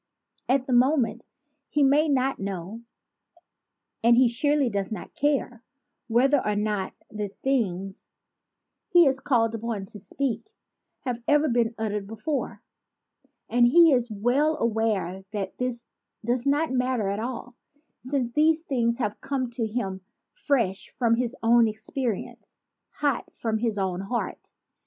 At the moment he may not know, and he surely does not ran , whether or not the things he is called upon to 123 A PLEA FOR THE PLATITUDE speak have ever been uttered before; and he is well aware that this does not matter at all, since these things have come to him fresh from his own experience, hot from his own heart.